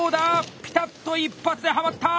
ピタッと一発ではまった！